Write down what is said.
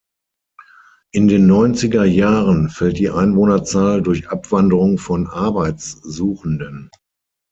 In den neunziger Jahren fällt die Einwohnerzahl durch Abwanderung von Arbeitssuchenden.